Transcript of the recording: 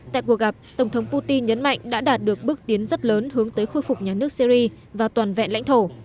tại cuộc gặp tổng thống putin nhấn mạnh đã đạt được bước tiến rất lớn hướng tới khôi phục nhà nước syri và toàn vẹn lãnh thổ